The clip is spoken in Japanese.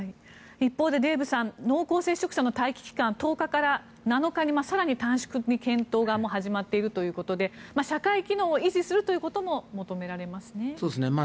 一方でデーブさん濃厚接触者の待機期間１０日から７日に更に短縮の検討が始まっているということで社会機能を維持するということも求められますね。